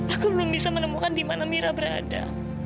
aku belum bisa menemukan di mana mira berada